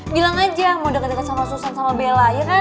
bilang aja mau deket deket sama susan sama bella ya kan